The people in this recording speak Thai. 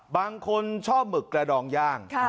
บางคนชอบหมึกกระดองย่าง